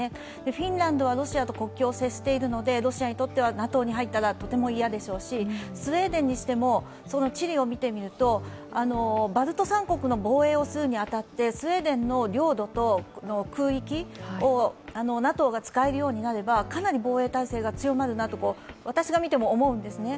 フィンランドはロシアと国境を接しているのでロシアにとってはＮＡＴＯに入ったらとても嫌でしょうし、スウェーデンにしても、地理を見てみるとバルト３国の防衛をするに当たってスウェーデンとの領土と空域をＮＡＴＯが使えるようになればかなり防衛態勢が強まるなと、私が見ても思うんですね。